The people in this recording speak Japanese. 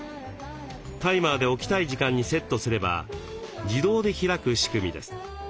タイマーで起きたい時間にセットすれば自動で開く仕組みです。